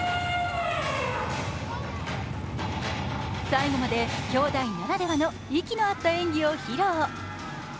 最後まできょうだいならではの息の合った演技を披露。